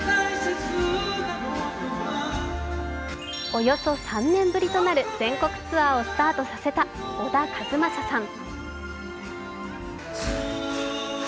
およそ３年ぶりとなる全国ツアーをスタートさせた小田和正さん。